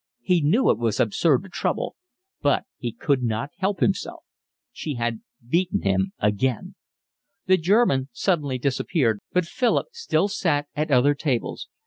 He knew it was absurd to trouble, but he could not help himself. She had beaten him again. The German suddenly disappeared, but Philip still sat at other tables.